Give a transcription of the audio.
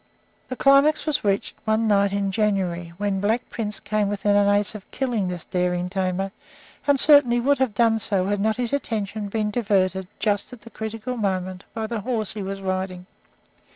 The climax was reached one night in January, when Black Prince came within an ace of killing this daring tamer, and certainly would have done so had not his attention been diverted just at the critical moment by the horse he was riding.